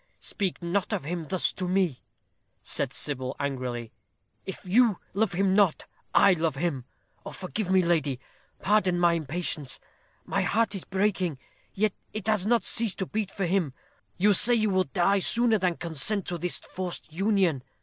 "Speak not of him thus to me," said Sybil, angrily. "If you love him not, I love him. Oh! forgive me, lady; pardon my impatience my heart is breaking, yet it has not ceased to beat for him. You say you will die sooner than consent to this forced union.